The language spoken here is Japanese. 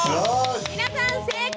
皆さん正解！